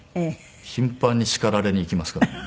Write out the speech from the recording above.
頻繁に叱られに行きますからね。